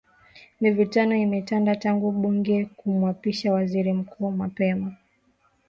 Mivutano imetanda tangu bunge kumwapisha Waziri Mkuu mapema